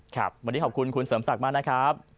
ครับโดยขอบคุณคุณเสริมสักกล์มานะครับ